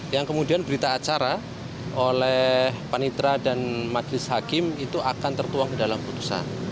yang kemudian berita acara oleh panitra dan majelis hakim itu akan tertuang ke dalam putusan